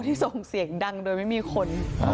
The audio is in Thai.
ส่งเสียงดังโดยไม่มีคน